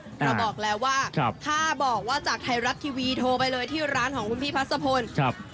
เราบอกแล้วว่าถ้าบอกว่าจากไทยรักท์ยูทร์โทรไปที่ร้านของคุณพี่ภาษสะพร